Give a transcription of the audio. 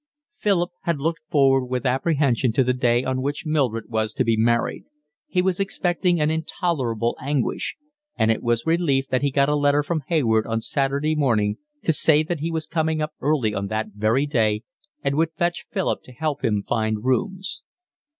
Philip had looked forward with apprehension to the day on which Mildred was to be married; he was expecting an intolerable anguish; and it was with relief that he got a letter from Hayward on Saturday morning to say that he was coming up early on that very day and would fetch Philip to help him to find rooms.